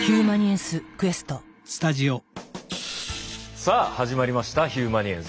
さあ始まりました「ヒューマニエンス」。